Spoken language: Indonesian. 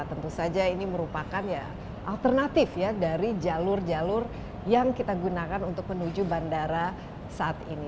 tentu saja ini merupakan alternatif ya dari jalur jalur yang kita gunakan untuk menuju bandara saat ini